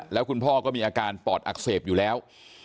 แล้วคุณพ่อก็มีอาการปอดอักเสบอยู่แล้ว